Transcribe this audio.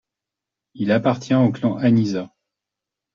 Il appartient au clan `Anizzah.